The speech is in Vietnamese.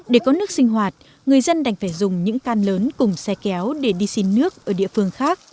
để có nước sinh hoạt người dân đành phải dùng những can lớn cùng xe kéo để đi xin nước ở địa phương khác